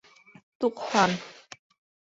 Туҡһан